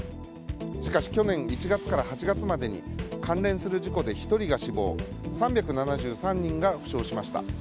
しかし去年１月から８月までに関連する事故で１人が死亡３７３人が負傷しました。